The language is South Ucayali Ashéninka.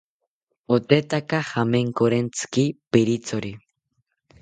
Potetaka jamenkorentziki pirithori